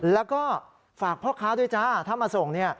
แล้วก็ฝากพ่อค้าด้วยจ้าถ้ามาส่งเนี่ย